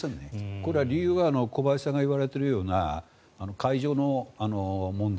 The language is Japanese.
これは理由は小林さんが言われているような会場の問題。